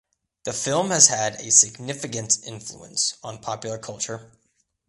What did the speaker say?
The film has had a significant influence on popular culture.